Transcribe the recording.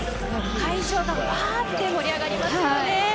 会場がワーッと盛り上がりましたね。